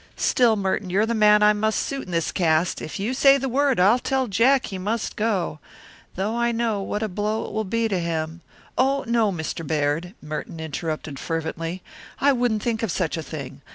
"Still, Merton, you're the man I must suit in this cast; if you say the word I'll tell Jack he must go, though I know what a blow it will be to him " "Oh, no, Mr. Baird," Merton interrupted fervently, "I wouldn't think of such a thing.